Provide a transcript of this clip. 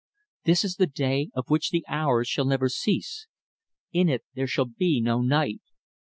"This is the day of which the hours shall never cease in it there shall be no night.